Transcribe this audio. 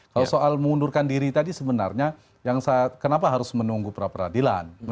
kalau soal mengundurkan diri tadi sebenarnya yang kenapa harus menunggu pra peradilan